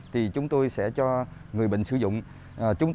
thì chúng tôi sẽ cho người bệnh sử dụng